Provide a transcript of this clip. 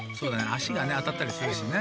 あしがねあたったりするしね。